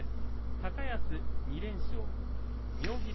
高安２連勝妙義龍